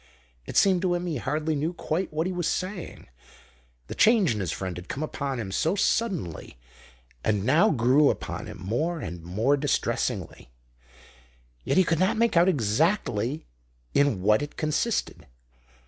It seemed to him he hardly knew quite what he was saying; the change in his friend had come upon him so suddenly and now grew upon him more and more distressingly. Yet he could not make out exactly in what it consisted.